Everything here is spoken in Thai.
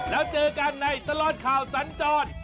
แล้วเจอกันในตลอดข่าวสัญจร